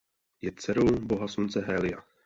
Je dcerou boha slunce Hélia.